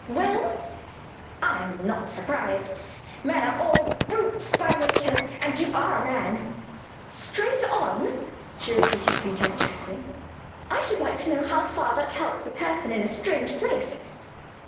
Well! I am not surprised. Men are all brutes by nature and you are a man. 'Straight on'?" she repeated contemptuously; "I should like to know how far that helps a person in a strange place.